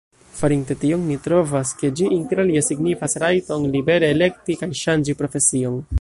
Farinte tion, ni trovas, ke ĝi interalie signifas rajton libere elekti kaj ŝanĝi profesion.